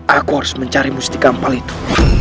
aku harus mencari mustika ampal itu